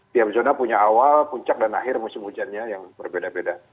tiap zona punya awal puncak dan akhir musim hujannya yang berbeda beda